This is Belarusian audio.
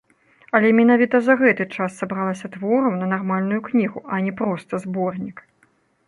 Але менавіта за гэты час сабралася твораў на нармальную кнігу, а не проста зборнік.